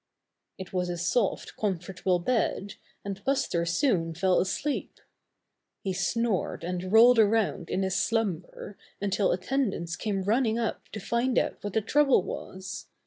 It was a soft, comfortable bed, and Buster soon fell asleep. He snored and rolled around in his slumber until attendants came running up to find out what the trouble was.